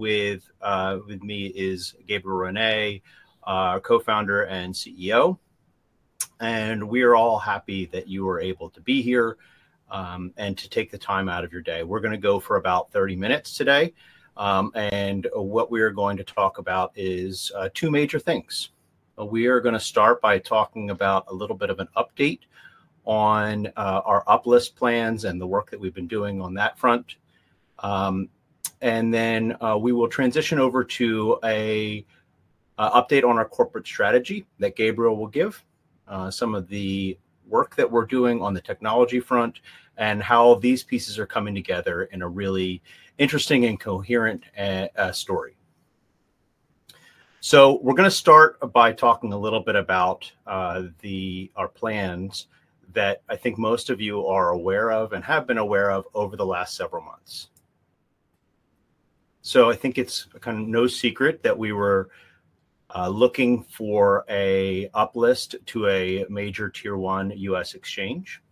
With me is Gabriel René, our Co-Founder and CEO. We are all happy that you are able to be here and to take the time out of your day. We're going to go for about 30 minutes today, and what we are going to talk about is two major things. We are going to start by talking about a little bit of an update on our uplist plans and the work that we've been doing on that front, and then we will transition over to an update on our corporate strategy that Gabriel will give, some of the work that we're doing on the technology front and how these pieces are coming together in a really interesting and coherent story. We're going to start by talking a little bit about our plans that I think most of you are aware of and have been aware of over the last several months. I think it's kind of no secret that we were looking for an uplist to a major Tier 1 U.S. exchange.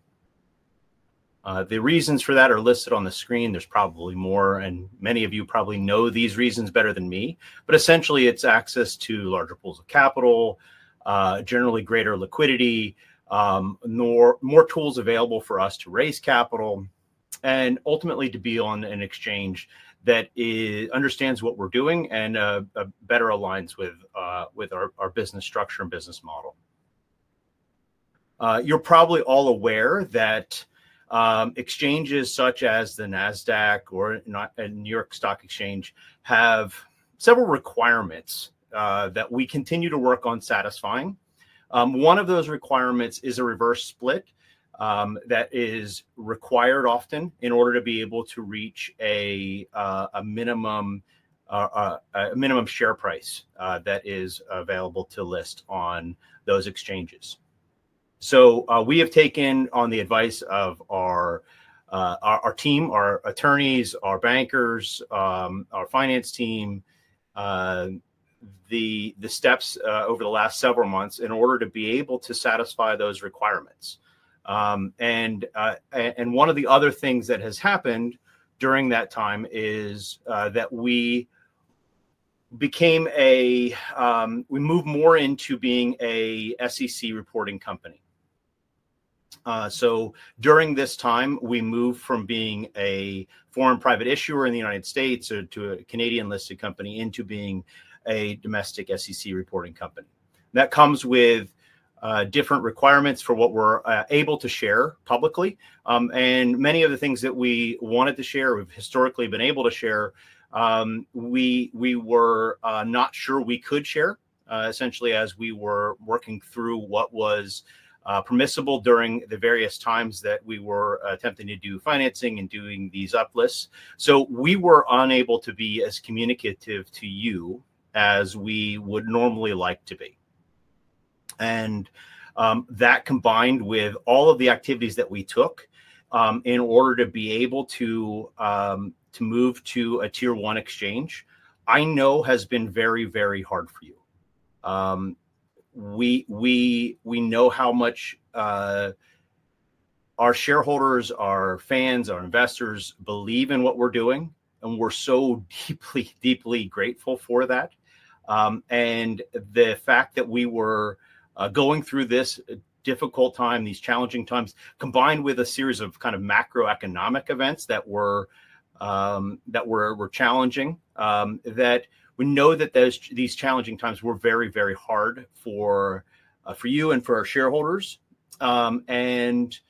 The reasons for that are listed on the screen. There's probably more, and many of you probably know these reasons better than me. Essentially, it's access to larger pools of capital, generally greater liquidity, more tools available for us to raise capital, and ultimately to be on an exchange that understands what we're doing and better aligns with our business structure and business model. You're probably all aware that exchanges such as the Nasdaq or New York Stock Exchange have several requirements that we continue to work on satisfying. One of those requirements is a reverse stock split that is required often in order to be able to reach a minimum share price that is available to list on those exchanges. We have taken on the advice of our team, our attorneys, our bankers, our finance team, the steps over the last several months in order to be able to satisfy those requirements. One of the other things that has happened during that time is that we became a, we moved more into being a SEC reporting company. During this time, we moved from being a foreign private issuer in the United States or to a Canadian listed company into being a domestic SEC reporting company. That comes with different requirements for what we're able to share publicly, and many of the things that we wanted to share or have historically been able to share, we were not sure we could share, essentially as we were working through what was permissible during the various times that we were attempting to do financing and doing these uplists. We were unable to be as communicative to you as we would normally like to be. That, combined with all of the activities that we took in order to be able to move to a Tier 1 exchange, I know has been very, very hard for you. We know how much our shareholders, our fans, our investors believe in what we're doing, and we're so deeply, deeply grateful for that. The fact that we were going through this difficult time, these challenging times, combined with a series of kind of macroeconomic events that were challenging, we know that these challenging times were very, very hard for you and for our shareholders. It's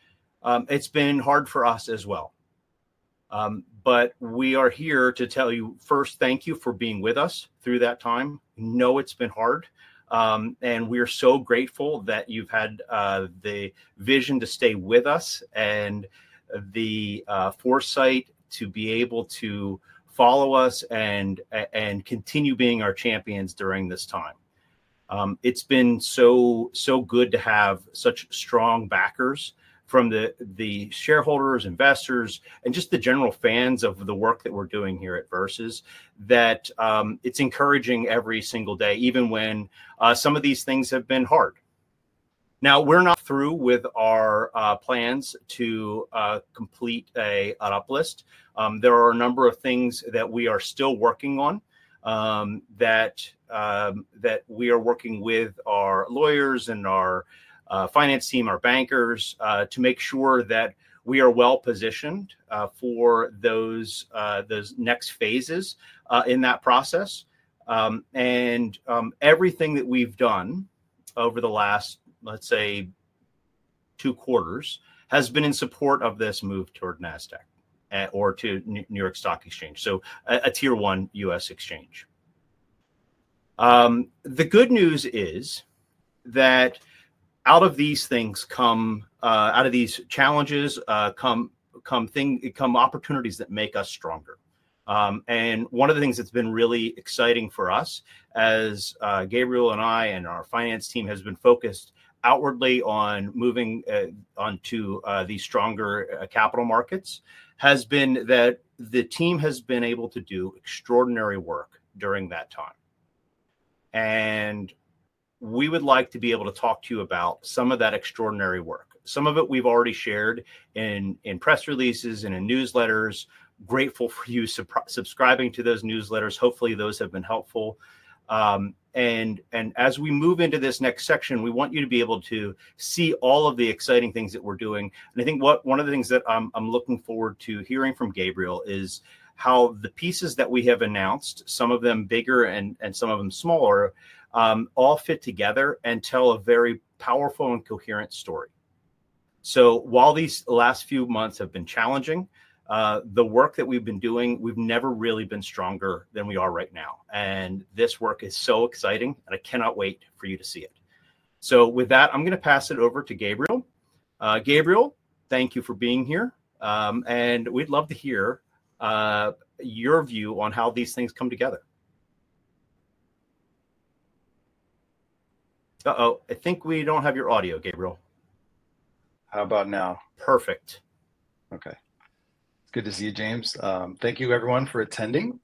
been hard for us as well. We are here to tell you first, thank you for being with us through that time. We know it's been hard, and we are so grateful that you've had the vision to stay with us and the foresight to be able to follow us and continue being our champions during this time. It's been so, so good to have such strong backers from the shareholders, investors, and just the general fans of the work that we're doing here at VERSES that it's encouraging every single day, even when some of these things have been hard. We're not through with our plans to complete an uplist. There are a number of things that we are still working on, that we are working with our lawyers and our finance team, our bankers, to make sure that we are well positioned for those next phases in that process. Everything that we've done over the last, let's say, two quarters has been in support of this move toward Nasdaq or to New York Stock Exchange, so a Tier 1 U.S. exchange. The good news is that out of these things, out of these challenges, come opportunities that make us stronger. One of the things that's been really exciting for us as Gabriel René and I and our finance team have been focused outwardly on moving onto these stronger capital markets has been that the team has been able to do extraordinary work during that time. We would like to be able to talk to you about some of that extraordinary work. Some of it we've already shared in press releases and in newsletters. Grateful for you subscribing to those newsletters. Hopefully, those have been helpful. As we move into this next section, we want you to be able to see all of the exciting things that we're doing. I think one of the things that I'm looking forward to hearing from Gabriel is how the pieces that we have announced, some of them bigger and some of them smaller, all fit together and tell a very powerful and coherent story. While these last few months have been challenging, the work that we've been doing, we've never really been stronger than we are right now. This work is so exciting, and I cannot wait for you to see it. With that, I'm going to pass it over to Gabriel. Gabriel, thank you for being here, and we'd love to hear your view on how these things come together. Uh-oh, I think we don't have your audio, Gabriel. How about now? Perfect. Okay. Good to see you, James. Thank you everyone for attending.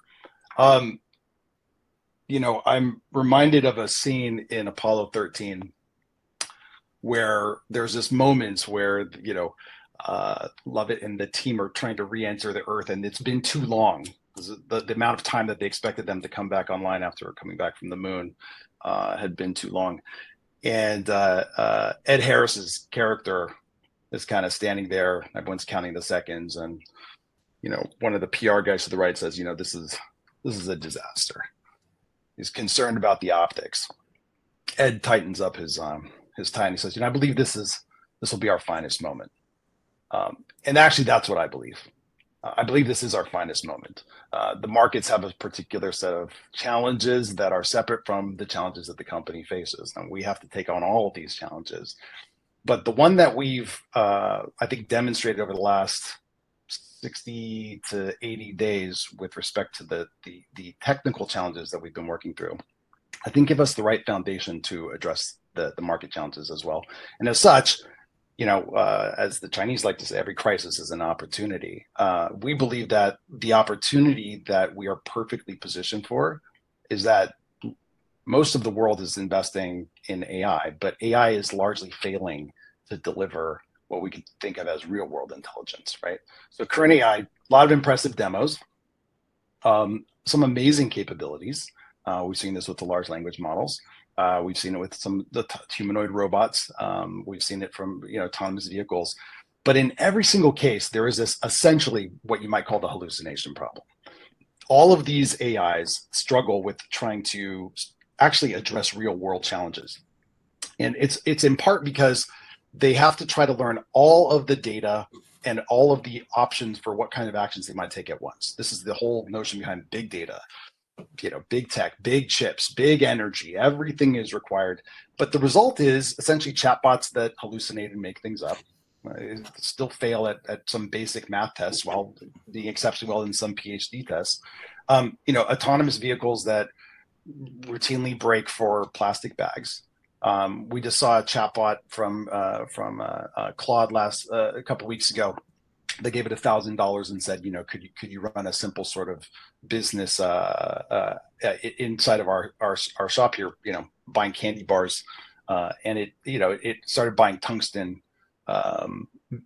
You know, I'm reminded of a scene in Apollo 13 where there's this moment where, you know, Lovell and the team are trying to reenter the Earth, and it's been too long. The amount of time that they expected them to come back online after coming back from the moon had been too long. Ed Harris's character is kind of standing there, and everyone's counting the seconds. One of the PR guys to the right says, you know, this is, this is a disaster. He's concerned about the optics. Ed tightens up his tie, and he says, you know, I believe this is, this will be our finest moment. Actually, that's what I believe. I believe this is our finest moment. The markets have a particular set of challenges that are separate from the challenges that the company faces. We have to take on all of these challenges. The one that we've, I think, demonstrated over the last 60 to 80 days with respect to the technical challenges that we've been working through, I think gives us the right foundation to address the market challenges as well. As such, you know, as the Chinese like to say, every crisis is an opportunity. We believe that the opportunity that we are perfectly positioned for is that most of the world is investing in AI, but AI is largely failing to deliver what we can think of as real-world intelligence, right? Current AI, a lot of impressive demos, some amazing capabilities. We've seen this with the large language models. We've seen it with some of the humanoid robots. We've seen it from, you know, autonomous vehicles. In every single case, there is this essentially what you might call the hallucination problem. All of these AIs struggle with trying to actually address real-world challenges. It's in part because they have to try to learn all of the data and all of the options for what kind of actions they might take at once. This is the whole notion behind big data, you know, big tech, big chips, big energy, everything is required. The result is essentially chatbots that hallucinate and make things up, still fail at some basic math tests while doing exceptionally well in some PhD tests. You know, autonomous vehicles that routinely break for plastic bags. We just saw a chatbot from Claude last, a couple of weeks ago. They gave it $1,000 and said, you know, could you run a simple sort of business inside of our shop here, you know, buying candy bars? It started buying tungsten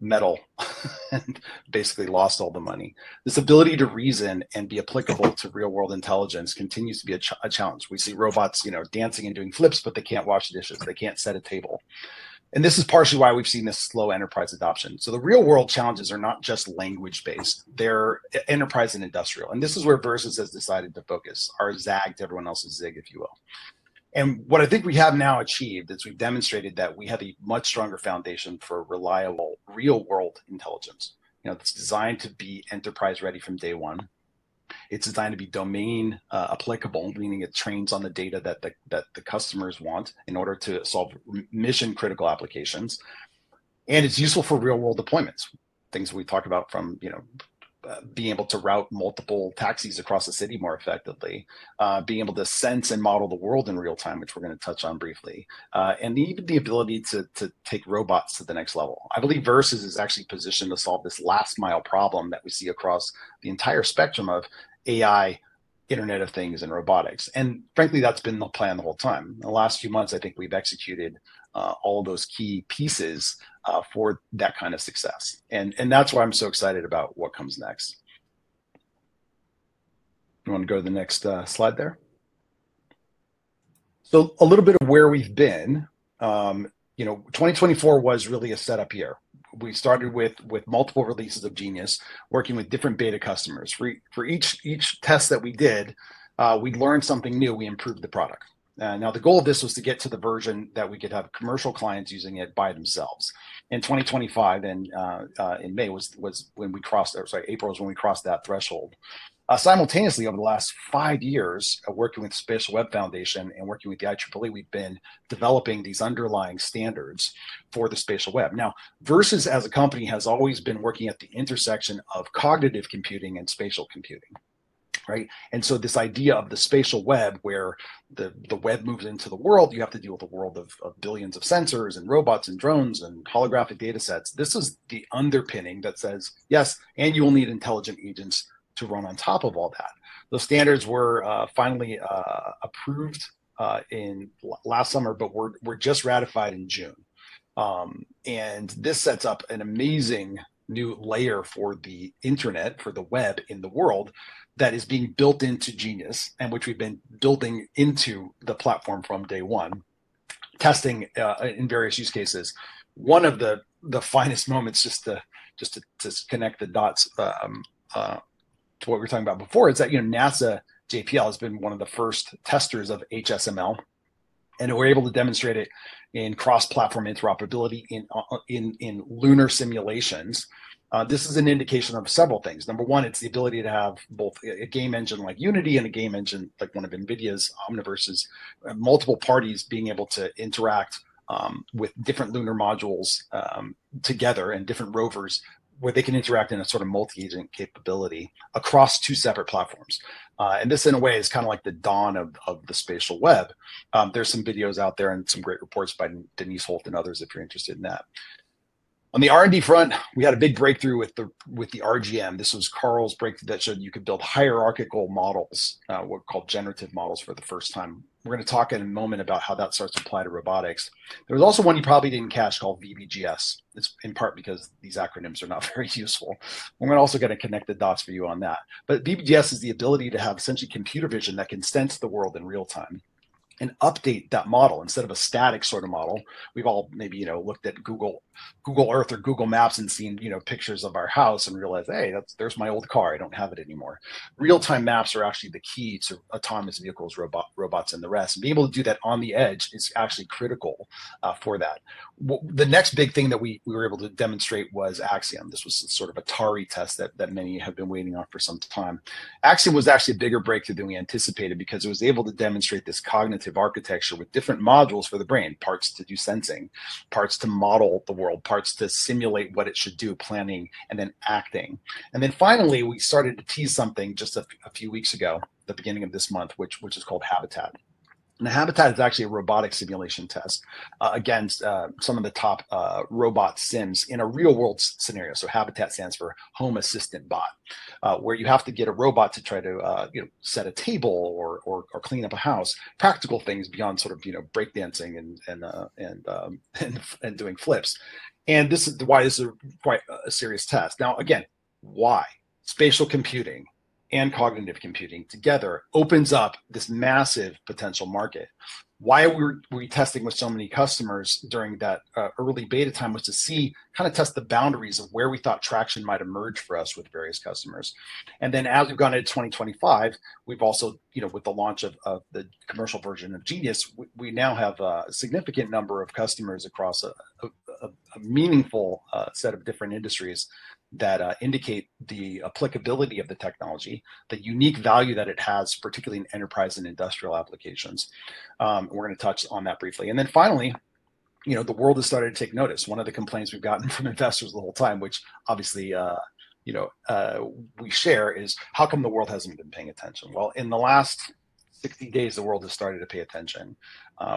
metal and basically lost all the money. This ability to reason and be applicable to real-world intelligence continues to be a challenge. We see robots dancing and doing flips, but they can't wash the dishes. They can't set a table. This is partially why we've seen this slow enterprise adoption. The real-world challenges are not just language-based. They're enterprise and industrial. This is where VERSES has decided to focus, or zagged where everyone else has zigged, if you will. What I think we have now achieved is we've demonstrated that we have a much stronger foundation for reliable real-world intelligence. It's designed to be enterprise-ready from day one. It's designed to be domain applicable, meaning it trains on the data that the customers want in order to solve mission-critical applications. It's useful for real-world deployments. Things we've talked about, from being able to route multiple taxis across the city more effectively, being able to sense and model the world in real time, which we're going to touch on briefly, and even the ability to take robots to the next level. I believe VERSES is actually positioned to solve this last-mile problem that we see across the entire spectrum of AI, Internet of Things, and robotics. Frankly, that's been the plan the whole time. In the last few months, I think we've executed all of those key pieces for that kind of success. That's why I'm so excited about what comes next. You want to go to the next slide there? A little bit of where we've been. 2024 was really a setup year. We started with multiple releases of Genius, working with different beta customers. For each test that we did, we learned something new. We improved the product. The goal of this was to get to the version that we could have commercial clients using it by themselves. In 2025, in May was when we crossed, or sorry, April is when we crossed that threshold. Simultaneously, over the last five years, working with the Spatial Web Foundation and working with the IEEE, we've been developing these underlying standards for the Spatial Web. VERSES as a company has always been working at the intersection of cognitive computing and spatial computing, right? This idea of the Spatial Web, where the web moves into the world, means you have to deal with a world of billions of sensors and robots and drones and holographic data sets. This is the underpinning that says, yes, and you will need intelligent agents to run on top of all that. Those standards were finally approved last summer, but were just ratified in June. This sets up an amazing new layer for the internet, for the web in the world that is being built into Genius, and which we've been building into the platform from day one, testing in various use cases. One of the finest moments, just to connect the dots to what we were talking about before, is that NASA JPL has been one of the first testers of HSML. We were able to demonstrate it in cross-platform interoperability in lunar simulations. This is an indication of several things. Number one, it's the ability to have both a game engine like Unity and a game engine like one of NVIDIA's Omniverse, multiple parties being able to interact with different lunar modules together and different rovers where they can interact in a sort of multi-agent capability across two separate platforms. This, in a way, is kind of like the dawn of the Spatial Web. There are some videos out there and some great reports by Denise Holt and others if you're interested in that. On the R&D front, we had a big breakthrough with the RGM. This was Carl's breakthrough that showed you could build hierarchical models, what we call generative models for the first time. We're going to talk in a moment about how that starts to apply to robotics. There was also one you probably didn't catch called VBGS. It's in part because these acronyms are not very useful. I'm going to also get a connected dots for you on that. VBGS is the ability to have essentially computer vision that can sense the world in real time and update that model instead of a static sort of model. We've all maybe looked at Google Earth or Google Maps and seen pictures of our house and realized, hey, there's my old car. I don't have it anymore. Real-time maps are actually the key to autonomous vehicles, robots, and the rest. Being able to do that on the edge is actually critical for that. The next big thing that we were able to demonstrate was AXIOM. This was sort of Atari test that many have been waiting on for some time. AXIOM was actually a bigger breakthrough than we anticipated because it was able to demonstrate this cognitive architecture with different modules for the brain, parts to do sensing, parts to model the world, parts to simulate what it should do, planning, and then acting. Finally, we started to tease something just a few weeks ago, the beginning of this month, which is called Habitat. Habitat is actually a robotic simulation test against some of the top robot sims in a real-world scenario. Habitat stands for Home Assistant Bot, where you have to get a robot to try to set a table or clean up a house, practical things beyond, sort of, you know, breakdancing and doing flips. This is why this is quite a serious test. Now, again, why? Spatial computing and cognitive computing together opens up this massive potential market. Why are we testing with so many customers during that early beta time was to see, kind of test the boundaries of where we thought traction might emerge for us with various customers. As we've gone into 2025, we've also, you know, with the launch of the commercial version of Genius, we now have a significant number of customers across a meaningful set of different industries that indicate the applicability of the technology, the unique value that it has, particularly in enterprise and industrial applications. We're going to touch on that briefly. Finally, you know, the world is starting to take notice. One of the complaints we've gotten from investors the whole time, which obviously, you know, we share, is how come the world hasn't been paying attention? In the last 60 days, the world has started to pay attention.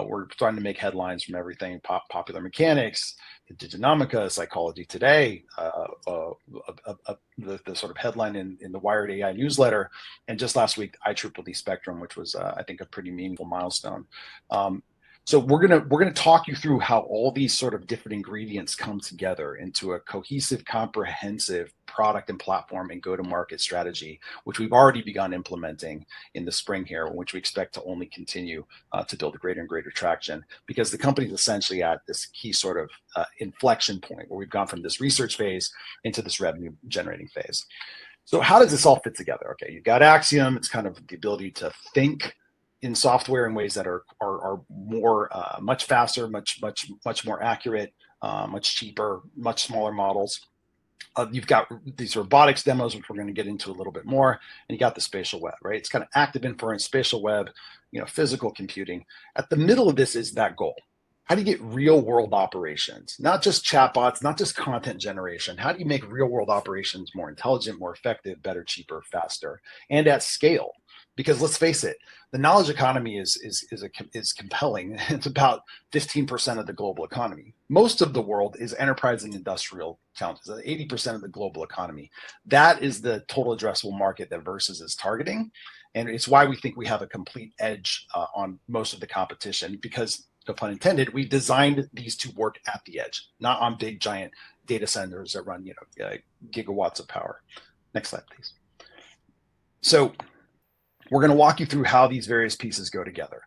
We're starting to make headlines from everything, Popular Mechanics, diginomica, Psychology Today, the sort of headline in the Wired AI newsletter. Just last week, I tripled the spectrum, which was, I think, a pretty meaningful milestone. We're going to talk you through how all these sort of different ingredients come together into a cohesive, comprehensive product and platform and go-to-market strategy, which we've already begun implementing in the spring here, which we expect to only continue to build a greater and greater traction because the company is essentially at this key sort of inflection point where we've gone from this research phase into this revenue-generating phase. How does this all fit together? Okay, you've got AXIOM. It's kind of the ability to think in software in ways that are more, much faster, much, much, much more accurate, much cheaper, much smaller models. You've got these robotics demos, which we're going to get into a little bit more. You've got the Spatial Web, right? It's kind of Active Inference, Spatial Web, physical computing. At the middle of this is that goal. How do you get real-world operations, not just chatbots, not just content generation? How do you make real-world operations more intelligent, more effective, better, cheaper, faster, and at scale? Let's face it, the knowledge economy is compelling. It's about 15% of the global economy. Most of the world is enterprise and industrial countries, 80% of the global economy. That is the total addressable market that VERSES is targeting. It's why we think we have a complete edge on most of the competition because, no pun intended, we designed these to work at the edge, not on big giant data centers that run gigawatts of power. Next slide, please. We're going to walk you through how these various pieces go together.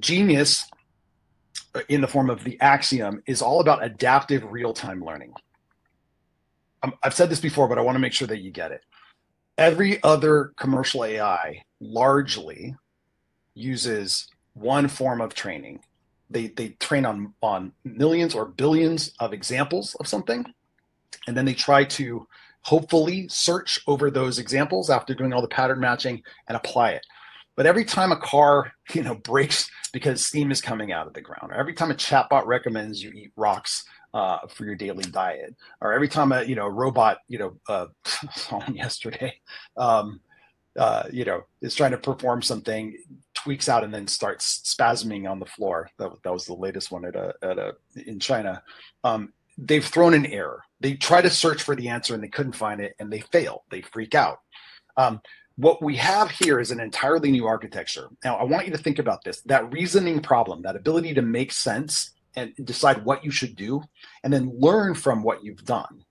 Genius, in the form of the AXIOM, is all about adaptive real-time learning. I've said this before, but I want to make sure that you get it. Every other commercial AI largely uses one form of training. They train on millions or billions of examples of something, and then they try to hopefully search over those examples after doing all the pattern matching and apply it. Every time a car breaks because steam is coming out of the ground, or every time a chatbot recommends you eat rocks for your daily diet, or every time a robot yesterday is trying to perform something, tweaks out and then starts spasming on the floor. That was the latest one in China. They've thrown an error. They try to search for the answer and they couldn't find it and they fail. They freak out. What we have here is an entirely new architecture. Now, I want you to think about this. That reasoning problem, that ability to make sense and decide what you should do and then learn from what you've done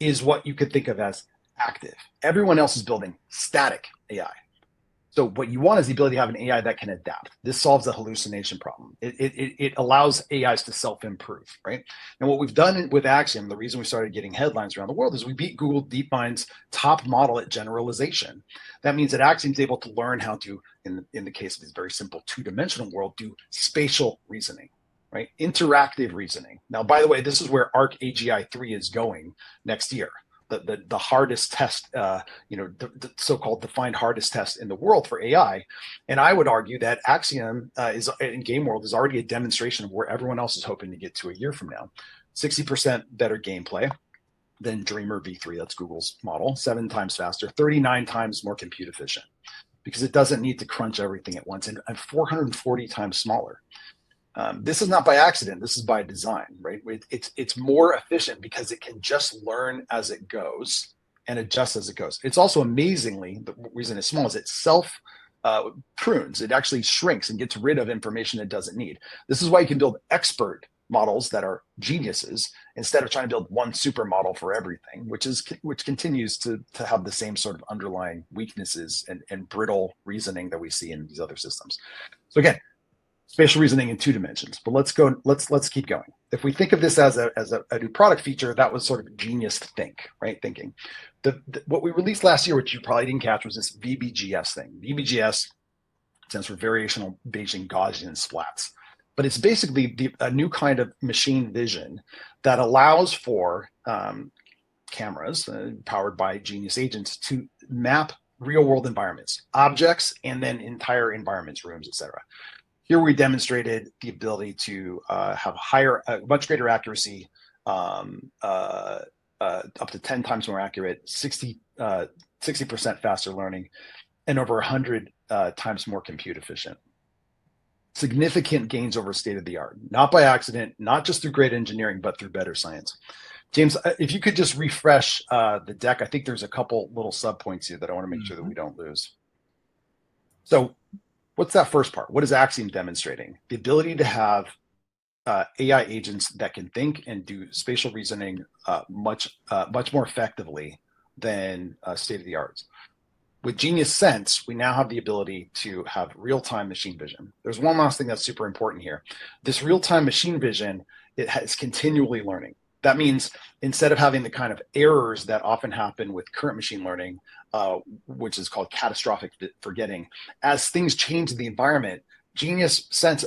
is what you could think of as active. Everyone else is building static AI. What you want is the ability to have an AI that can adapt. This solves the hallucination problem. It allows AIs to self-improve, right? What we've done with AXIOM, the reason we started getting headlines around the world, is we beat Google DeepMind's top model at generalization. That means that AXIOM is able to learn how to, in the case of this very simple two-dimensional world, do spatial reasoning, right? Interactive reasoning. By the way, this is where ARC-AGI-3 is going next year. The hardest test, the so-called defined hardest test in the world for AI. I would argue that AXIOM in Game World is already a demonstration of where everyone else is hoping to get to a year from now. 60% better gameplay than DreamerV3, that's Google's model. 7x faster, 39x more compute efficient because it doesn't need to crunch everything at once, and 440x smaller. This is not by accident. This is by design, right? It's more efficient because it can just learn as it goes and adjust as it goes. Amazingly, the reason it's small is it self-prunes. It actually shrinks and gets rid of information it doesn't need. This is why you can build expert models that are geniuses instead of trying to build one supermodel for everything, which continues to have the same sort of underlying weaknesses and brittle reasoning that we see in these other systems. Spatial reasoning in two dimensions, but let's keep going. If we think of this as a new product feature, that was sort of a Genius think, right? Thinking. What we released last year, which you probably didn't catch, was this VBGS thing. VBGS stands for Variational Bayes Gaussian Splats. It's basically a new kind of machine vision that allows for cameras powered by Genius agents to map real-world environments, objects, and then entire environments, rooms, etc. Here we demonstrated the ability to have a much greater accuracy, up to 10x more accurate, 60% faster learning, and over 100x more compute efficient. Significant gains over state of the art, not by accident, not just through great engineering, but through better science. James, if you could just refresh the deck, I think there's a couple little sub points here that I want to make sure that we don't lose. What's that first part? What is AXIOM demonstrating? The ability to have AI agents that can think and do spatial reasoning much, much more effectively than state of the art. With Genius SENSE, we now have the ability to have real-time machine vision. There's one last thing that's super important here. This real-time machine vision, it is continually learning. That means instead of having the kind of errors that often happen with current machine learning, which is called Catastrophic Forgetting, as things change in the environment, Genius SENSE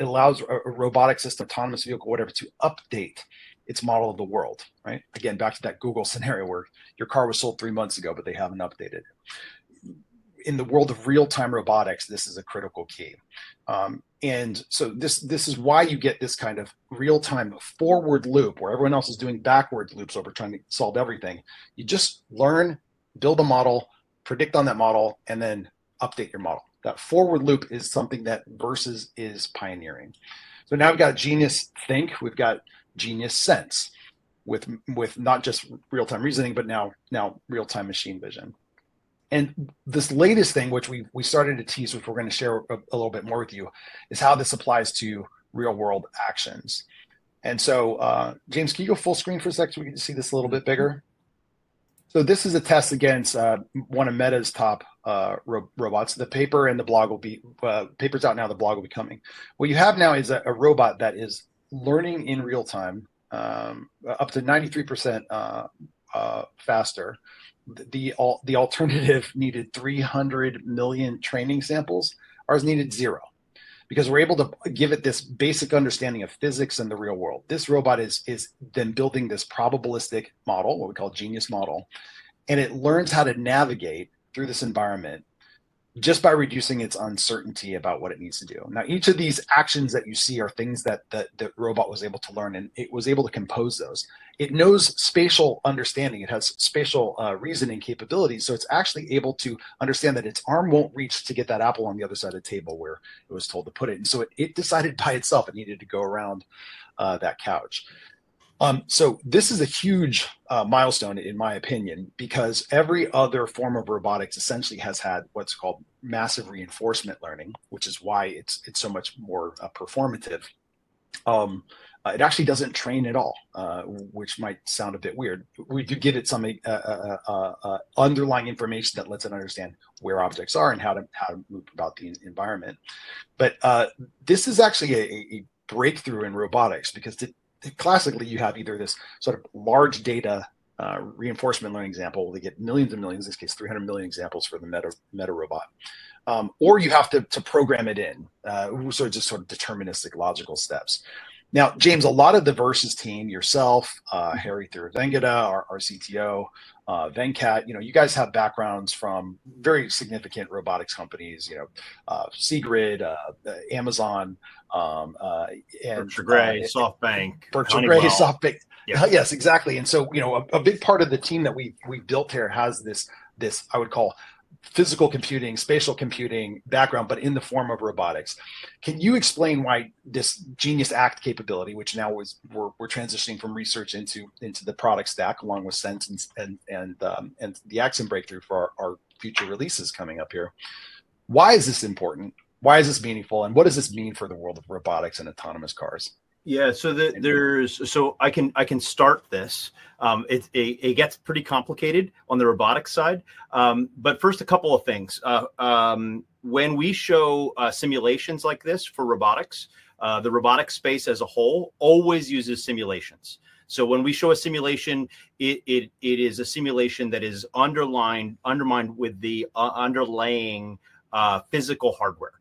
allows a robotic system, autonomous vehicle, whatever, to update its model of the world, right? Again, back to that Google scenario where your car was sold three months ago, but they haven't updated it. In the world of real-time robotics, this is a critical key. This is why you get this kind of real-time forward loop where everyone else is doing backward loops over trying to solve everything. You just learn, build a model, predict on that model, and then update your model. That forward loop is something that VERSES is pioneering. Now we've got a Genius Think. We've got Genius SENSE with not just real-time reasoning, but now real-time machine vision. This latest thing, which we started to tease, which we're going to share a little bit more with you, is how this applies to real-world actions. James, can you go full screen for a sec so we can see this a little bit bigger? This is a test against one of Meta's top robots. The paper and the blog will be, paper's out now. The blog will be coming. What you have now is a robot that is learning in real time, up to 93% faster. The alternative needed 300 million training samples. Ours needed zero because we're able to give it this basic understanding of physics in the real world. This robot is then building this probabilistic model, what we call a Genius model, and it learns how to navigate through this environment just by reducing its uncertainty about what it needs to do. Each of these actions that you see are things that the robot was able to learn, and it was able to compose those. It knows spatial understanding. It has spatial reasoning capabilities. It's actually able to understand that its arm won't reach to get that apple on the other side of the table where it was told to put it. It decided by itself it needed to go around that couch. This is a huge milestone in my opinion because every other form of robotics essentially has had what's called massive reinforcement learning, which is why it's so much more performative. It actually doesn't train at all, which might sound a bit weird. We do give it some underlying information that lets it understand where objects are and how to move about the environment. This is actually a breakthrough in robotics because classically you have either this sort of large data, reinforcement learning example where they get millions and millions, in this case 300 million examples for the Meta robot, or you have to program it in, just sort of deterministic logical steps. Now, James, a lot of the VERSES team, yourself, Hari Thiruvengada, our CTO, [Venkat], you know, you guys have backgrounds from very significant robotics companies, you know, Seegrid, Amazon, Andrew Gray, SoftBank. Yes, exactly. A big part of the team that we built here has this, I would call physical computing, spatial computing background, but in the form of robotics. Can you explain why this Genius ACT capability, which now is, we're transitioning from research into the product stack along with Genius SENSE and the AXIOM breakthrough for our future releases coming up here, why is this important? Why is this meaningful? What does this mean for the world of robotics and autonomous cars? Yeah. I can start this. It gets pretty complicated on the robotics side. First, a couple of things. When we show simulations like this for robotics, the robotics space as a whole always uses simulations. When we show a simulation, it is a simulation that is undermined with the underlying physical hardware.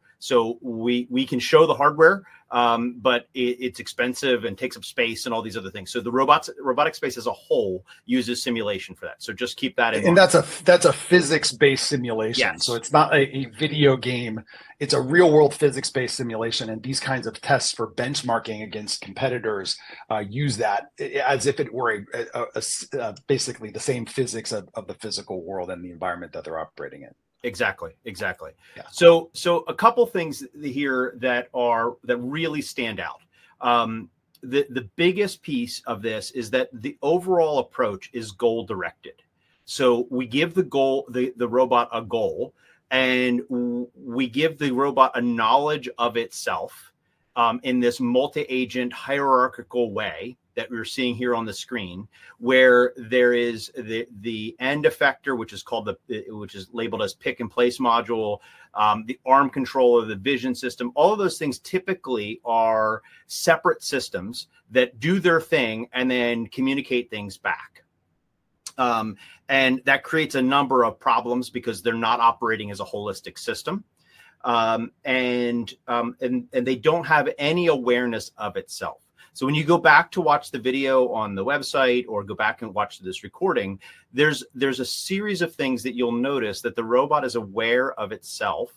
We can show the hardware, but it's expensive and takes up space and all these other things. The robotics space as a whole uses simulation for that. Just keep that in mind. That's a physics-based simulation. It's not a video game. It's a real-world physics-based simulation. These kinds of tests for benchmarking against competitors use that as if it were basically the same physics of the physical world and the environment that they're operating in. Exactly, exactly. A couple of things here really stand out. The biggest piece of this is that the overall approach is goal-directed. We give the robot a goal, and we give the robot a knowledge of itself in this multi-agent hierarchical way that we're seeing here on the screen, where there is the end effector, which is labeled as pick and place module, the arm control, the vision system. All of those things typically are separate systems that do their thing and then communicate things back. That creates a number of problems because they're not operating as a holistic system, and they don't have any awareness of itself. When you go back to watch the video on the website or go back and watch this recording, there's a series of things that you'll notice: the robot is aware of itself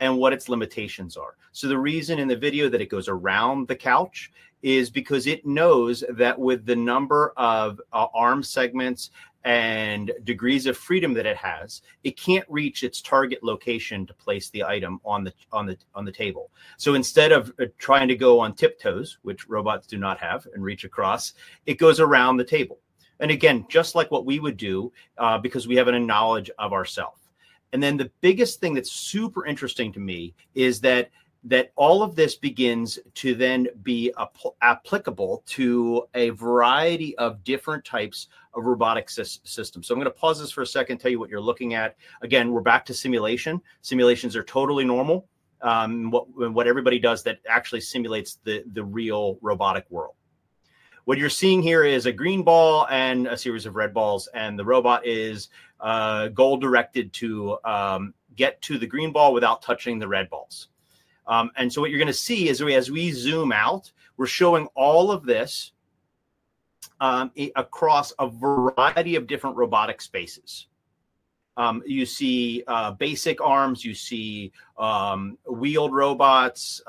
and what its limitations are. The reason in the video that it goes around the couch is because it knows that with the number of arm segments and degrees of freedom that it has, it can't reach its target location to place the item on the table. Instead of trying to go on tiptoes, which robots do not have, and reach across, it goes around the table, just like what we would do because we have a knowledge of ourselves. The biggest thing that's super interesting to me is that all of this begins to then be applicable to a variety of different types of robotic systems. I'm going to pause this for a second and tell you what you're looking at. We're back to simulation. Simulations are totally normal and what everybody does that actually simulates the real robotic world. What you're seeing here is a green ball and a series of red balls, and the robot is goal-directed to get to the green ball without touching the red balls. What you're going to see is as we zoom out, we're showing all of this across a variety of different robotic spaces. You see basic arms, you see wheeled robots,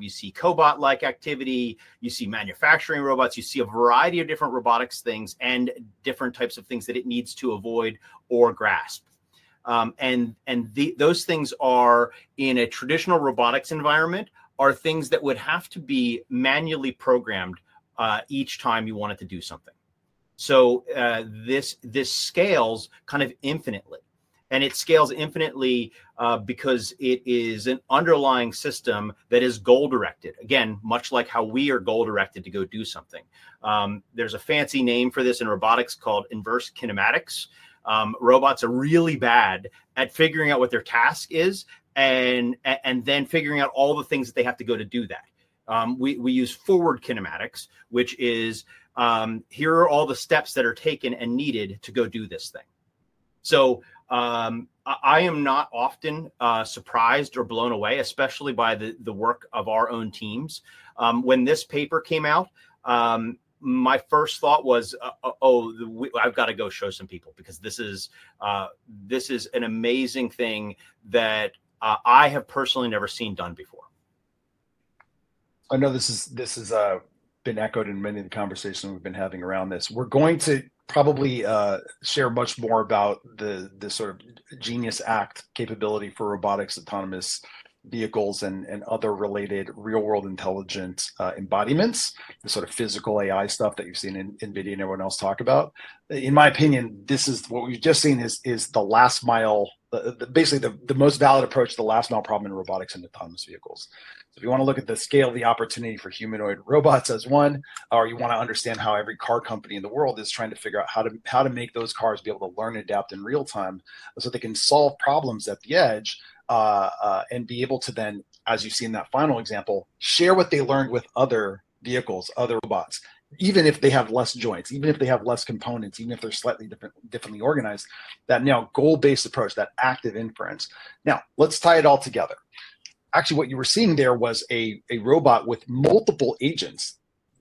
you see cobot-like activity, you see manufacturing robots, you see a variety of different robotics things and different types of things that it needs to avoid or grasp. Those things in a traditional robotics environment are things that would have to be manually programmed each time you wanted to do something. This scales kind of infinitely, and it scales infinitely because it is an underlying system that is goal-directed, much like how we are goal-directed to go do something. There's a fancy name for this in robotics called inverse kinematics. Robots are really bad at figuring out what their task is and then figuring out all the things that they have to go to do that. We use forward kinematics, which is here are all the steps that are taken and needed to go do this thing. I am not often surprised or blown away, especially by the work of our own teams. When this paper came out, my first thought was, oh, I've got to go show some people because this is an amazing thing that I have personally never seen done before. I know this has been echoed in many of the conversations we've been having around this. We're going to probably share much more about the sort of Genius ACT capability for robotics, autonomous vehicles, and other related real-world intelligence embodiments, the sort of physical AI stuff that you've seen in NVIDIA and everyone else talk about. In my opinion, what we've just seen is the last mile, basically the most valid approach to the last mile problem in robotics and autonomous vehicles. If you want to look at the scale of the opportunity for humanoid robots as one, or you want to understand how every car company in the world is trying to figure out how to make those cars be able to learn and adapt in real time so they can solve problems at the edge and be able to then, as you've seen in that final example, share what they learned with other vehicles, other robots, even if they have fewer joints, even if they have fewer components, even if they're slightly differently organized, that now goal-based approach, that Active Inference. Now, let's tie it all together. Actually, what you were seeing there was a robot with multiple agents.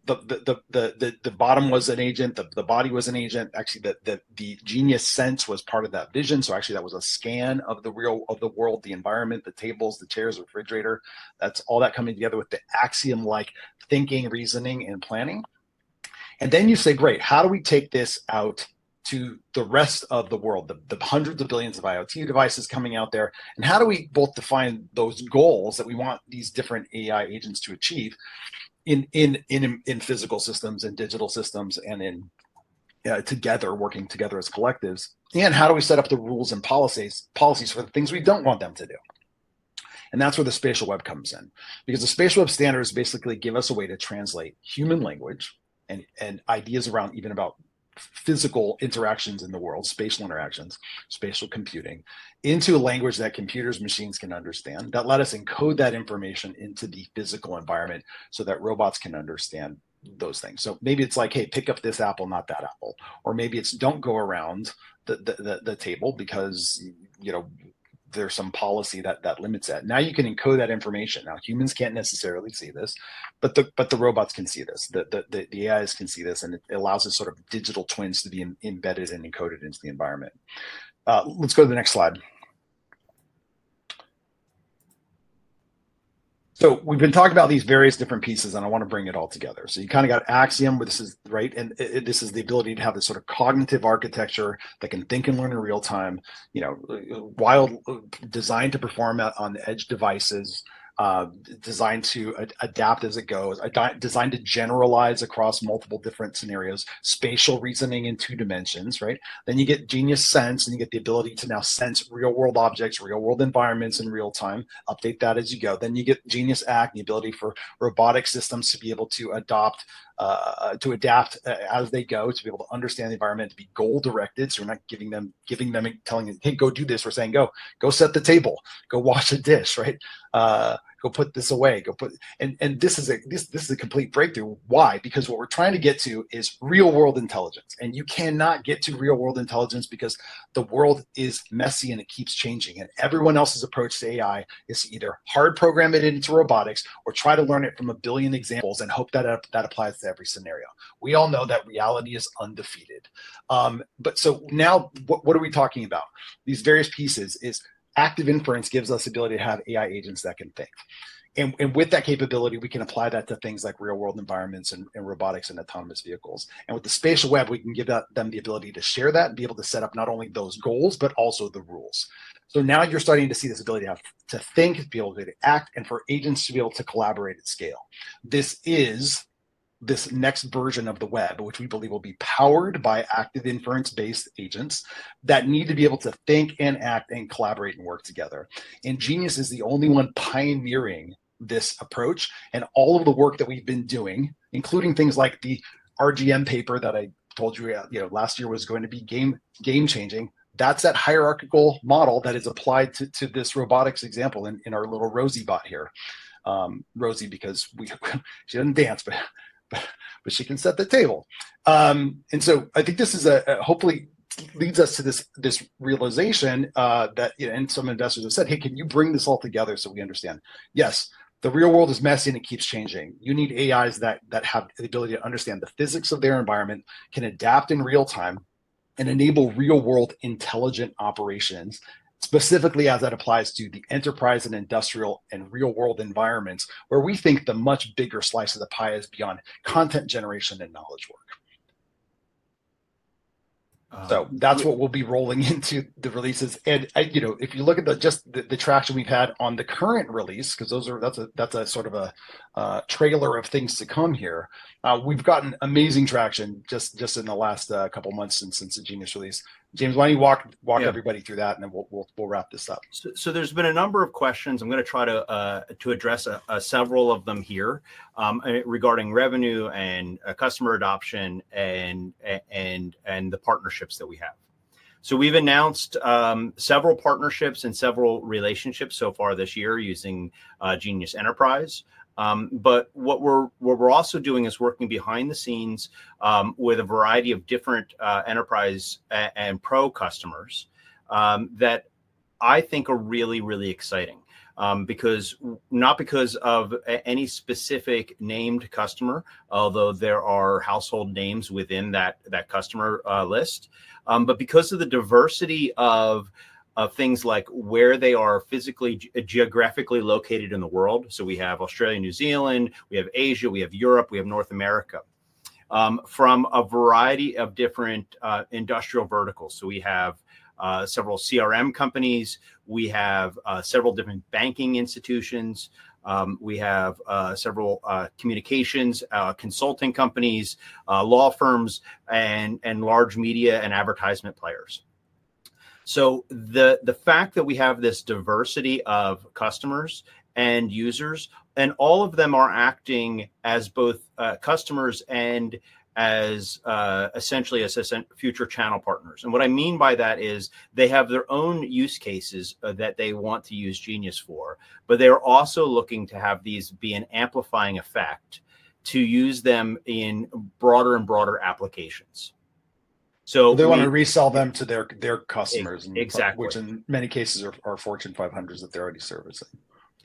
The bottom was an agent, the body was an agent. Actually, the Genius SENSE was part of that vision. That was a scan of the world, the environment, the tables, the chairs, the refrigerator. That's all that coming together with the AXIOM-like thinking, reasoning, and planning. You say, great, how do we take this out to the rest of the world, the hundreds of billions of IoT devices coming out there? How do we both define those goals that we want these different AI agents to achieve in physical systems and digital systems and together, working together as collectives? How do we set up the rules and policies for the things we don't want them to do? That's where the Spatial Web comes in because the Spatial Web standards basically give us a way to translate human language and ideas around even about physical interactions in the world, spatial interactions, spatial computing into a language that computers, machines can understand that let us encode that information into the physical environment so that robots can understand those things. Maybe it's like, hey, pick up this apple, not that apple. Maybe it's don't go around the table because, you know, there's some policy that limits that. Now you can encode that information. Now, humans can't necessarily see this, but the robots can see this. The AIs can see this, and it allows us sort of digital twins to be embedded and encoded into the environment. Let's go to the next slide. We've been talking about these various different pieces, and I want to bring it all together. You kind of got AXIOM, this is right, and this is the ability to have this sort of cognitive architecture that can think and learn in real time, designed to perform on edge devices, designed to adapt as it goes, designed to generalize across multiple different scenarios, spatial reasoning in two dimensions, right? You get Genius SENSE, and you get the ability to now sense real-world objects, real-world environments in real time, update that as you go. You get Genius ACT and the ability for robotic systems to be able to adapt, to adapt as they go, to be able to understand the environment, to be goal-directed. You're not giving them, giving them and telling them, hey, go do this. We're saying, go, go set the table, go wash the dish, right? Go put this away. Go put, and this is a, this is a complete breakthrough. Why? Because what we're trying to get to is real-world intelligence. You cannot get to real-world intelligence because the world is messy and it keeps changing. Everyone else's approach to AI is to either hard program it into robotics or try to learn it from a billion examples and hope that that applies to every scenario. We all know that reality is undefeated. Now what are we talking about? These various pieces is Active Inference gives us the ability to have AI agents that can think. With that capability, we can apply that to things like real-world environments and robotics and autonomous vehicles. With the Spatial Web, we can give them the ability to share that and be able to set up not only those goals, but also the rules. Now you're starting to see this ability to think, to be able to act, and for agents to be able to collaborate at scale. This is this next version of the web, which we believe will be powered by Active Inference-based agents that need to be able to think and act and collaborate and work together. Genius is the only one pioneering this approach. All of the work that we've been doing, including things like the RGM paper that I told you last year was going to be game-changing, that's that hierarchical model that is applied to this robotics example in our little Rosie bot here. Rosie, because she doesn't dance, but she can set the table. I think this hopefully leads us to this realization that some investors have said, hey, can you bring this all together so we understand? Yes, the real world is messy and it keeps changing. You need AIs that have the ability to understand the physics of their environment, can adapt in real time, and enable real-world intelligent operations, specifically as that applies to the enterprise and industrial and real-world environments where we think the much bigger slice of the pie is beyond content generation and knowledge work. That's what we'll be rolling into the releases. If you look at just the traction we've had on the current release, because that's a sort of a trailer of things to come here, we've gotten amazing traction just in the last couple of months since the Genius release. James, why don't you walk everybody through that and then we'll wrap this up? There have been a number of questions. I'm going to try to address several of them here regarding revenue and customer adoption and the partnerships that we have. We've announced several partnerships and several relationships so far this year using Genius Enterprise. What we're also doing is working behind the scenes with a variety of different enterprise and pro customers that I think are really, really exciting, not because of any specific named customer, although there are household names within that customer list, but because of the diversity of things like where they are physically, geographically located in the world. We have Australia, New Zealand, Asia, Europe, and North America from a variety of different industrial verticals. We have several CRM companies, several different banking institutions, several communications consulting companies, law firms, and large media and advertisement players. The fact that we have this diversity of customers and users, and all of them are acting as both customers and as essentially future channel partners, is important. What I mean by that is they have their own use cases that they want to use Genius for, but they're also looking to have these be an amplifying effect to use them in broader and broader applications. They want to resell them to their customers, which in many cases are Fortune 500s that they're already servicing.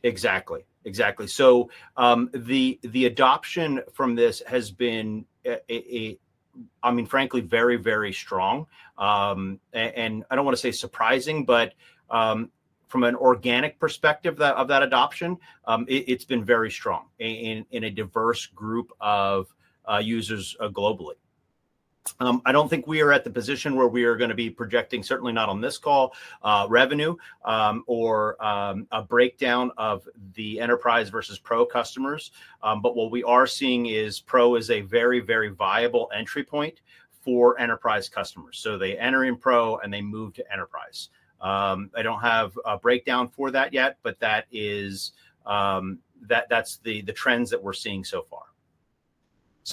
Exactly, exactly. The adoption from this has been, I mean, frankly, very, very strong. I don't want to say surprising, but from an organic perspective of that adoption, it's been very strong in a diverse group of users globally. I don't think we are at the position where we are going to be projecting, certainly not on this call, revenue or a breakdown of the enterprise versus pro customers. What we are seeing is pro is a very, very viable entry point for enterprise customers. They enter in pro and they move to enterprise. I don't have a breakdown for that yet, but that's the trends that we're seeing so far.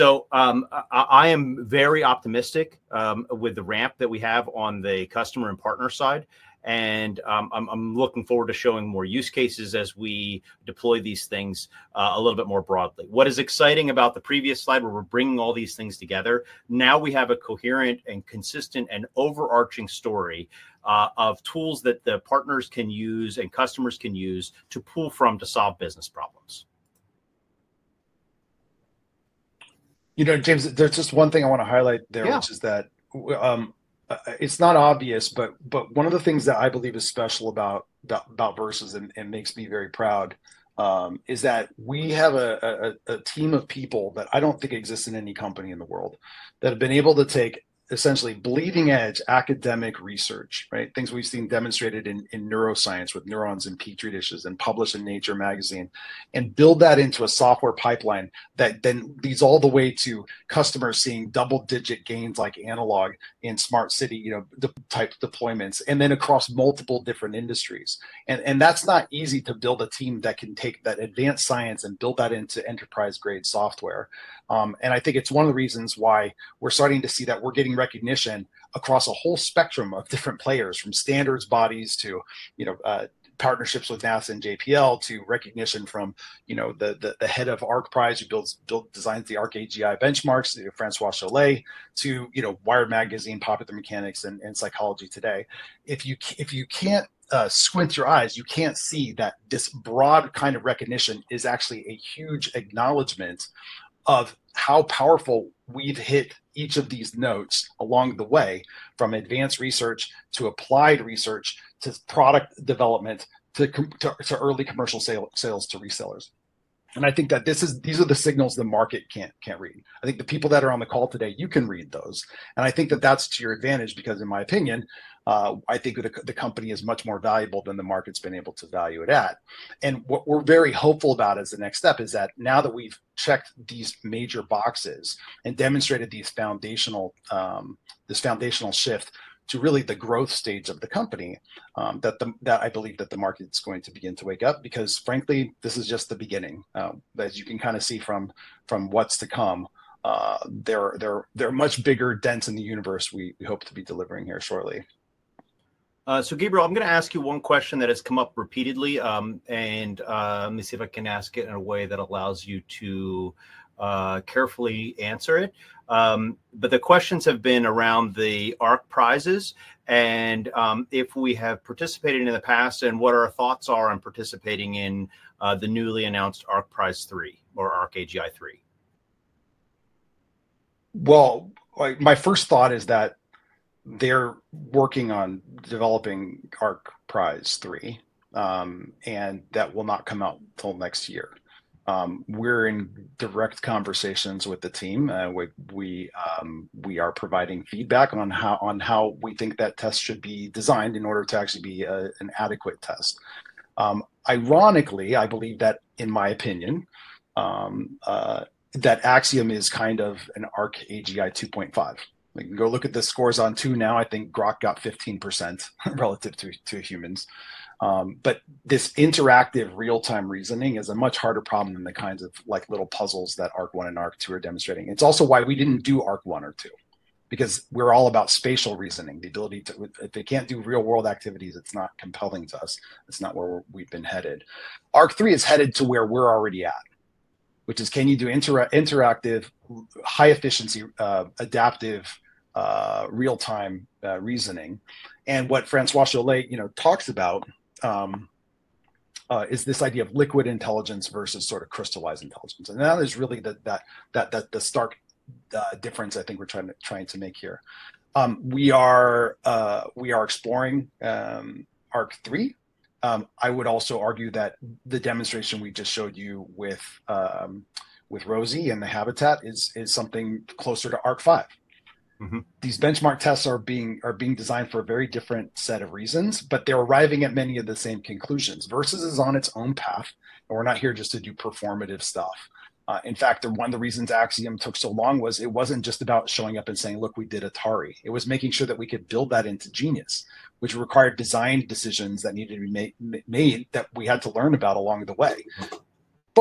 I am very optimistic with the ramp that we have on the customer and partner side. I'm looking forward to showing more use cases as we deploy these things a little bit more broadly. What is exciting about the previous slide where we're bringing all these things together, now we have a coherent and consistent and overarching story of tools that the partners can use and customers can use to pull from to solve business problems. You know, James, there's just one thing I want to highlight there, which is that it's not obvious, but one of the things that I believe is special about VERSES and makes me very proud is that we have a team of people that I don't think exists in any company in the world that have been able to take essentially bleeding-edge academic research, right? Things we've seen demonstrated in neuroscience with neurons and petri dishes and published in Nature magazine and build that into a software pipeline that then leads all the way to customers seeing double-digit gains like analog in smart city, you know, the type deployments and then across multiple different industries. That's not easy to build a team that can take that advanced science and build that into enterprise-grade software. I think it's one of the reasons why we're starting to see that we're getting recognition across a whole spectrum of different players from standards bodies to partnerships with NASA and JPL to recognition from the head of ARC Prize who designs the ARC AGI benchmarks, François Chollet, to Wired magazine, Popular Mechanics, and Psychology Today. If you can't squint your eyes, you can't see that this broad kind of recognition is actually a huge acknowledgment of how powerful we've hit each of these notes along the way from advanced research to applied research to product development to early commercial sales to resellers. I think that these are the signals the market can't read. I think the people that are on the call today, you can read those. I think that that's to your advantage because, in my opinion, I think the company is much more valuable than the market's been able to value it at. What we're very hopeful about as the next step is that now that we've checked these major boxes and demonstrated this foundational shift to really the growth stage of the company, I believe that the market is going to begin to wake up because, frankly, this is just the beginning. As you can kind of see from what's to come, there are much bigger dents in the universe we hope to be delivering here shortly. Gabriel, I'm going to ask you one question that has come up repeatedly. Let me see if I can ask it in a way that allows you to carefully answer it. The questions have been around the ARC Prizes, if we have participated in the past, and what our thoughts are on participating in the newly announced ARC Prize 3 or ARC-AGI-3. My first thought is that they're working on developing ARC Prize 3, and that will not come out until next year. We're in direct conversations with the team. We are providing feedback on how we think that test should be designed in order to actually be an adequate test. Ironically, I believe that, in my opinion, that AXIOM is kind of an ARC-AGI-2.5. Go look at the scores on two now. I think Grok got 15% relative to humans. This interactive real-time reasoning is a much harder problem than the kinds of little puzzles that ARC 1 and ARC 2 are demonstrating. It's also why we didn't do ARC 1 or 2 because we're all about spatial reasoning. The ability to, if they can't do real-world activities, it's not compelling to us. That's not where we've been headed. ARC 3 is headed to where we're already at, which is, can you do interactive, high-efficiency, adaptive, real-time reasoning? What François Chollet talks about is this idea of liquid intelligence versus sort of crystallized intelligence. That is really the stark difference I think we're trying to make here. We are exploring ARC 3. I would also argue that the demonstration we just showed you with Rosie and the Habitat is something closer to ARC 5. These benchmark tests are being designed for a very different set of reasons, but they're arriving at many of the same conclusions. VERSES is on its own path, and we're not here just to do performative stuff. In fact, one of the reasons AXIOM took so long was it wasn't just about showing up and saying, "Look, we did Atari." It was making sure that we could build that into Genius, which required design decisions that needed to be made that we had to learn about along the way.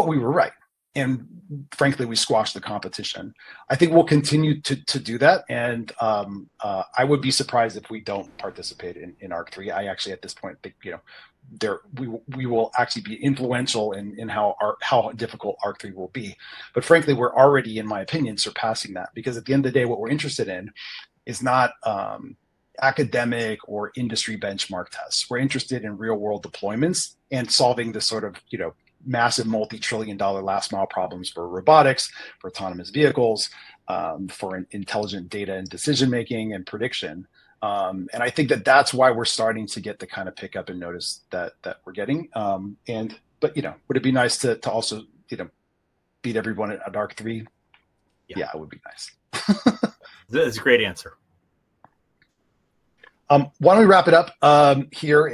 We were right. Frankly, we squashed the competition. I think we'll continue to do that. I would be surprised if we don't participate in ARC 3. I actually, at this point, you know, we will actually be influential in how difficult ARC 3 will be. Frankly, we're already, in my opinion, surpassing that because at the end of the day, what we're interested in is not academic or industry benchmark tests. We're interested in real-world deployments and solving the sort of massive multi-trillion dollar last mile problems for robotics, for autonomous vehicles, for intelligent data and decision-making and prediction. I think that that's why we're starting to get the kind of pickup and notice that we're getting. Would it be nice to also, you know, beat everyone at ARC 3? Yeah, it would be nice. That is a great answer. Why don't we wrap it up here?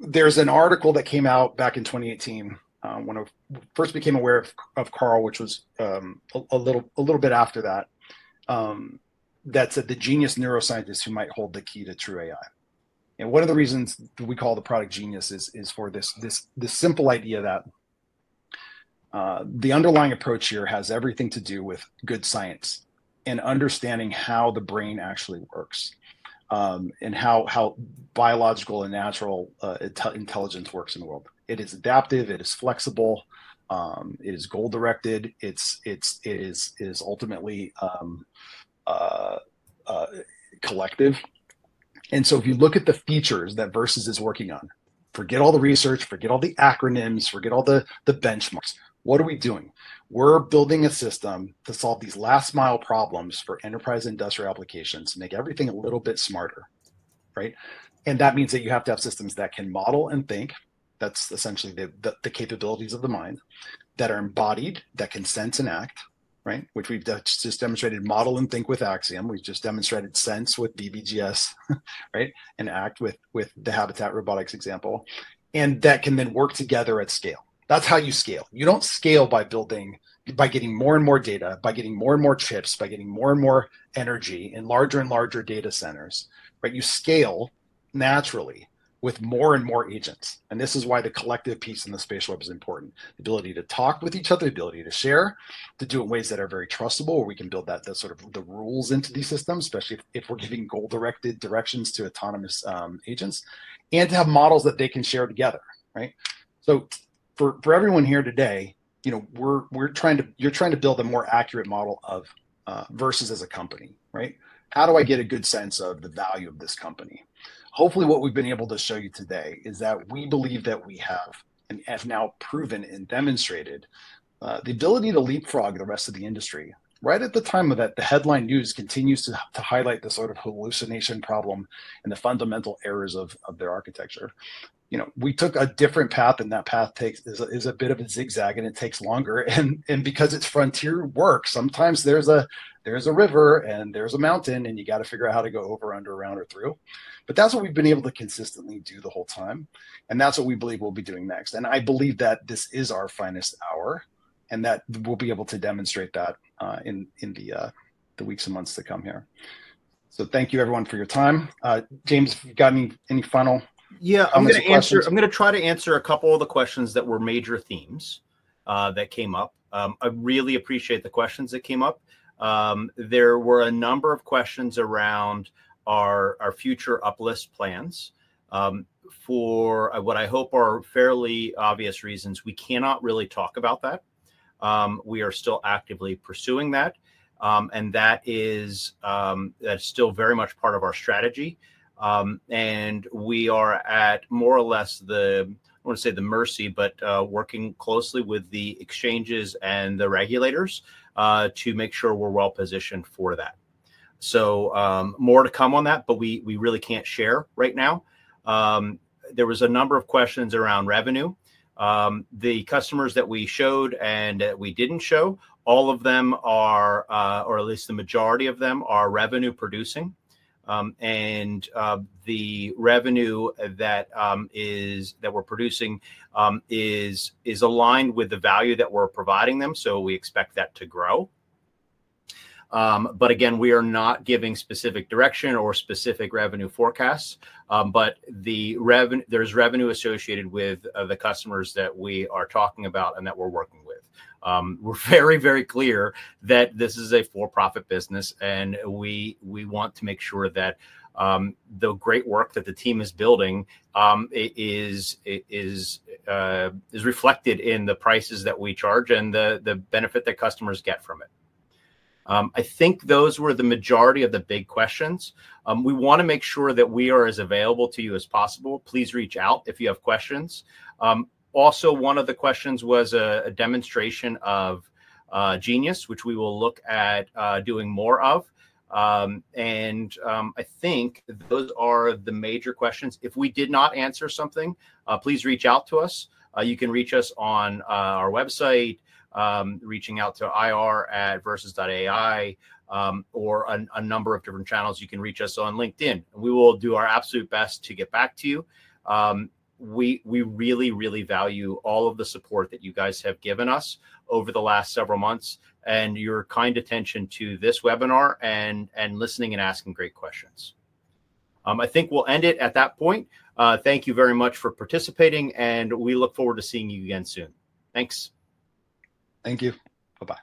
There's an article that came out back in 2018, when I first became aware of Carl, which was a little bit after that, that said the genius neuroscientist who might hold the key to true AI. One of the reasons that we call the product Genius is for this simple idea that the underlying approach here has everything to do with good science and understanding how the brain actually works and how biological and natural intelligence works in the world. It is adaptive. It is flexible. It is goal-directed. It is ultimately collective. If you look at the features that VERSES is working on, forget all the research, forget all the acronyms, forget all the benchmarks. What are we doing? We're building a system to solve these last mile problems for enterprise industrial applications, make everything a little bit smarter, right? That means that you have to have systems that can model and think. That's essentially the capabilities of the mind that are embodied, that can sense and act, right? Which we've just demonstrated model and think with AXIOM. We've just demonstrated sense with VBGS, right? And ACT with the Habitat robotics example. That can then work together at scale. That's how you scale. You don't scale by building, by getting more and more data, by getting more and more chips, by getting more and more energy in larger and larger data centers, right? You scale naturally with more and more agents. This is why the collective piece in the Spatial Web is important. The ability to talk with each other, the ability to share, to do it in ways that are very trustable, where we can build that sort of the rules into these systems, especially if we're giving goal-directed directions to autonomous agents, and to have models that they can share together, right? For everyone here today, you're trying to build a more accurate model of VERSES as a company, right? How do I get a good sense of the value of this company? Hopefully, what we've been able to show you today is that we believe that we have, and have now proven and demonstrated, the ability to leapfrog the rest of the industry. Right at the time of that, the headline news continues to highlight the sort of hallucination problem and the fundamental errors of their architecture. We took a different path, and that path is a bit of a zigzag, and it takes longer. Because it's frontier work, sometimes there's a river and there's a mountain, and you have to figure out how to go over, under, around, or through. That's what we've been able to consistently do the whole time. That's what we believe we'll be doing next. I believe that this is our finest hour, and that we'll be able to demonstrate that in the weeks and months to come here. Thank you, everyone, for your time. James, have you gotten any final answers? I'm going to try to answer a couple of the questions that were major themes that came up. I really appreciate the questions that came up. There were a number of questions around our future uplist plans. For what I hope are fairly obvious reasons, we cannot really talk about that. We are still actively pursuing that, and that is still very much part of our strategy. We are at, more or less, the mercy of, but working closely with, the exchanges and the regulators to make sure we're well positioned for that. More to come on that, but we really can't share right now. There was a number of questions around revenue. The customers that we showed and that we didn't show, all of them are, or at least the majority of them are, revenue-producing. The revenue that we're producing is aligned with the value that we're providing them. We expect that to grow. We are not giving specific direction or specific revenue forecasts, but there's revenue associated with the customers that we are talking about and that we're working with. We're very, very clear that this is a for-profit business, and we want to make sure that the great work that the team is building is reflected in the prices that we charge and the benefit that customers get from it. I think those were the majority of the big questions. We want to make sure that we are as available to you as possible. Please reach out if you have questions. Also, one of the questions was a demonstration of Genius, which we will look at doing more of. I think those are the major questions. If we did not answer something, please reach out to us. You can reach us on our website, reaching out to ir@verses.ai, or a number of different channels. You can reach us on LinkedIn. We will do our absolute best to get back to you. We really, really value all of the support that you guys have given us over the last several months and your kind attention to this webinar and listening and asking great questions. I think we'll end it at that point. Thank you very much for participating, and we look forward to seeing you again soon. Thanks. Thank you. Bye-bye.